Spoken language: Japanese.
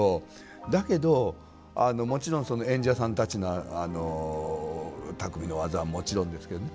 だけどもちろんその演者さんたちのたくみの技はもちろんですけどね